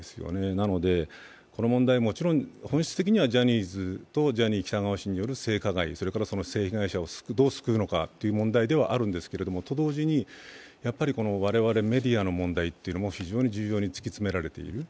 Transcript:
なので、この問題、本質的にはジャニーズとジャニー喜多川氏による性加害、それから性被害者をどう救うのかという問題ではあるんですが、と同時に、我々メディアの問題というのも非常に重要に突き詰められている。